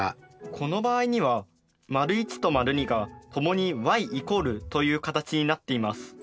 この場合には①と②が共にｙ＝という形になっています。